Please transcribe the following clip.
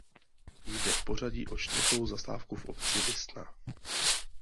Jde v pořadí o čtvrtou zastávku v obci Desná.